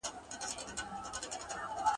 خوځېدلی به توپان وي !.